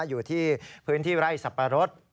อยู่ที่พื้นที่ไร่สับปะรด